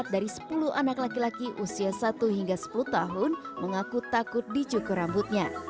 empat dari sepuluh anak laki laki usia satu hingga sepuluh tahun mengaku takut dicukur rambutnya